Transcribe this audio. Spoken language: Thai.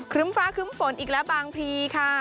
ครึ่มฟ้าครึ่มฟ้อนอีกแล้วบางพีค่ะ